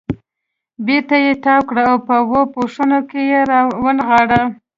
بېرته یې تاو کړ او په اوو پوښونو کې یې را ونغاړه.